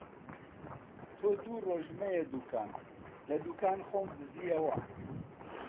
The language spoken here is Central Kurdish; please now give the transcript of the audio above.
تۆ دوو ڕۆژ مەیە دووکان! لە دووکان خۆم دزییەوە